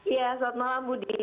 iya selamat malam budi